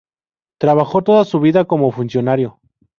Trabajó toda su vida como funcionario.